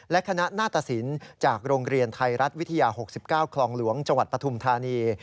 และคณะหน้าตสินจากโรงเรียนไทยรัฐวิทยา๖๙คลองหลวงจังหวัดปฐุมธานี